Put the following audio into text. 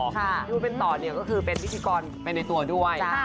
พี่อู๋เป็นต่อนี่คือเป็นวิทยากรในตัวด้วย